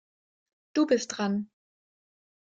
Du bist dran.